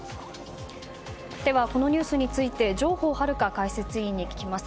では、このニュースについて上法玄解説委員に聞きます。